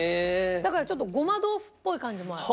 だからちょっとごま豆腐っぽい感じもある。